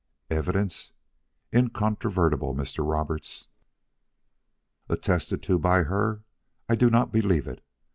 "Evidence?" "Incontrovertible, Mr. Roberts." "Attested to by her? I do not believe it.